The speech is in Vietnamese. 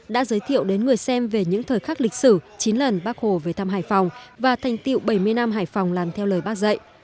đã giới thiệu đến người xem về những thời khắc lịch sử chín lần bác hồ về thăm hải phòng và thành tiệu bảy mươi năm hải phòng làm theo lời bác dạy